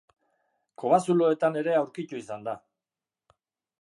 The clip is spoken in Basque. Kobazuloetan ere aurkitu izan da.